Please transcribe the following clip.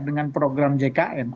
dengan program jkn